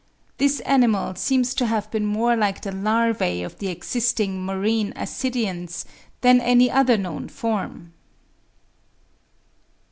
This animal seems to have been more like the larvae of the existing marine Ascidians than any other known form.